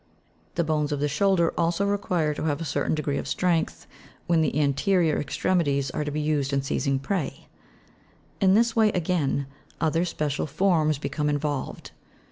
The bones of the shoulder also require to have a certain degree of strength, when the anterior extremities are to be used in seizing prey ; in this way again other special forms become involved.